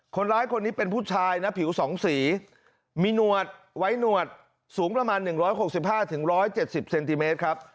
คนร้ายคนนี้เป็นผู้ชายนะผิวสองสีมีนวดไว้นวดสูงประมาณหนึ่งร้อยหกสิบห้าถึงร้อยเจ็ดสิบเซนติเมตรครับ